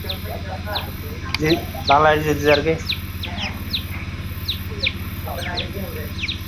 কখনই নহে, অতিশয় কুৎসিত আচারগুলিরও নিন্দা করিও না।